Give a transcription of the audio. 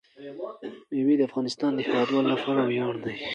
مېوې د افغانستان د هیوادوالو لپاره ویاړ دی.